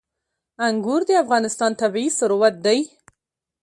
انګور د افغانستان طبعي ثروت دی.